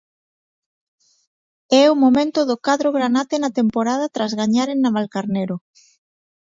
É o momento do cadro granate na temporada tras gañar en Navalcarnero.